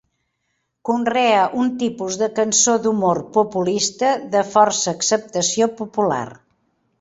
Conrea un tipus de Cançó d'humor populista de força acceptació popular.